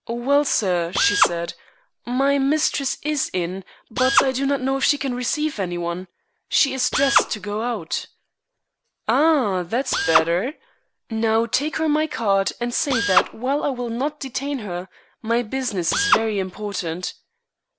"Well, sir," she said, "my mistress is in, but I do not know if she can receive any one. She is dressed to go out." "Ah! that's better. Now, take her my card, and say that while I will not detain her, my business is very important."